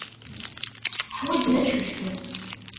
Ḥwajen ad ccucfen.